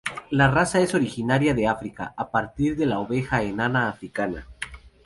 La raza es originaria de África, a partir de la oveja enana africana.